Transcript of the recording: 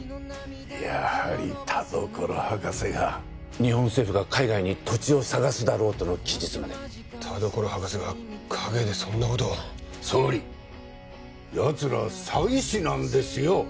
やはり田所博士が日本政府が海外に土地を探すだろうとの記述まで田所博士が陰でそんなことを総理やつらは詐欺師なんですよ